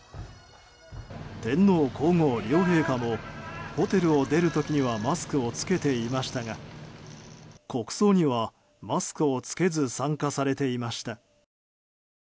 天皇・皇后両陛下もホテルを出る時にはマスクを着けていましたが国葬にはマスクを着けず参加されていました。